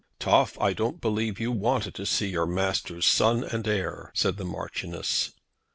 "Toff, I don't believe you wanted to see your master's son and heir!" said the Marchioness.